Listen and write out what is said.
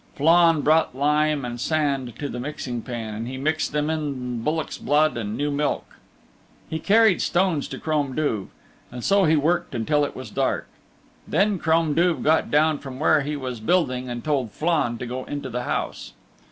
Flann brought lime and sand to the mixing pan and he mixed them in bullock's blood and new milk. He carried stones to Crom Duv. And so he worked until it was dark. Then Crom Duv got down from where he was building and told Flann to go into the house.